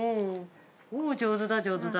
おぉ上手だ上手だ。